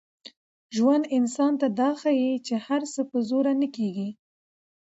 ژوند انسان ته دا ښيي چي هر څه په زور نه کېږي.